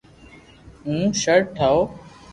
ھون ݾرٽ ٺاو